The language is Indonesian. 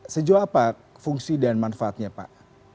sejauh apa fungsi dan manfaatnya pak